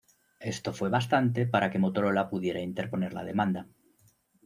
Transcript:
Esto fue bastante para que Motorola pudiera interponer la demanda.